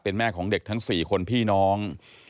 เป็นแม่ของเด็กทั้ง๔คนพี่น้อง